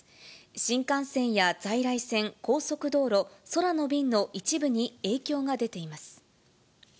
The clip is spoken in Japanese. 新幹線や在来線、高速道路、空の便の一部に影響が出ています。